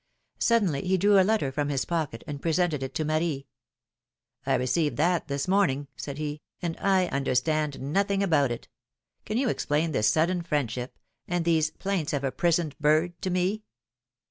Suddenly he drew a letter from his pocket, and presented it to Marie. I received that this morning," said he, and I under stand nothing about it Can you explain this sudden friendship, and these 'plaints of a prisoned bird to me